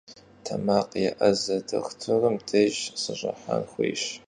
Temakh yê'eze doxutırım dêjj sış'ıhen xuêyş.